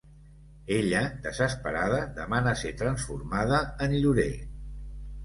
Ella desesperada demana ser transformada en llorer.